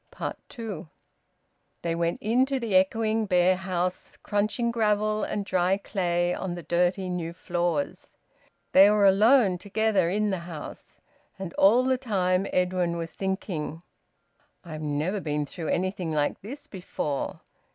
TWO. They went into the echoing bare house, crunching gravel and dry clay on the dirty, new floors. They were alone together in the house. And all the time Edwin was thinking: "I've never been through anything like this before.